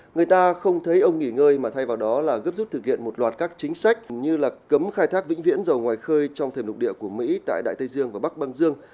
người ta không thấy ông nghỉ ngơi mà thay vào đó là gấp rút thực hiện một loạt các chính sách như là cấm khai thác vĩnh viễn dầu ngoài khơi trong thềm lục địa của mỹ tại đại tây dương và bắc băng dương